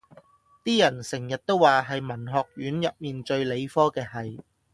啲人成日都話係文學院入面最理科嘅系